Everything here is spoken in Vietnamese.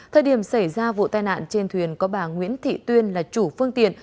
thời điểm xảy ra vụ tai nạn trên thuyền có bà nguyễn thị tuyên là chủ phương tiện